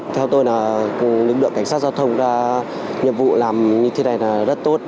theo tôi là lực lượng cảnh sát giao thông đã nhiệm vụ làm như thế này là rất tốt